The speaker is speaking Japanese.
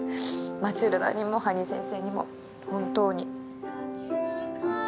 マチルダにもハニー先生にも本当に。